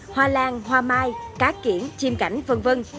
hoa lan hoa mai cá kiển chim cảnh v v